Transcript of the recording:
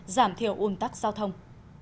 giảm thiểu ùn tắc giao thông